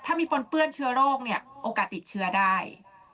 ถ้ามีปนเปื้อนเชื้อโรคเนี่ยโอกาสติดเชื้อได้